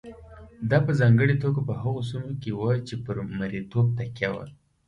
دا په ځانګړې توګه په هغو سیمو کې وه چې پر مریتوب تکیه وه.